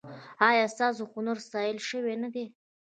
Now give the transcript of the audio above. ایا ستاسو هنر ستایل شوی نه دی؟